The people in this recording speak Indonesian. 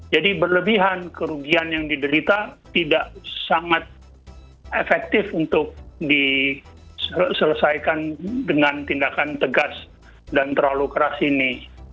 jadi berlebihan kerugian yang diderita tidak sangat efektif untuk diselesaikan dengan tindakan tegas dan terlalu keras ini